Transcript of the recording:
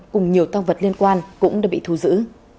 cùng nhiều tăng vật liên quan cũng đã bị thu giữ